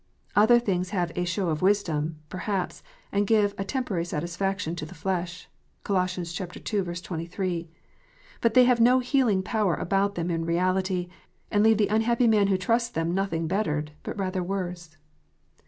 Other things have a "show of wisdom," perhaps, and give a temporary satisfaction "to the flesh." (Col. ii. 23.) But they have no healing power about them in reality, and leave the unhappy man who trusts them nothing bettered, but rather worse.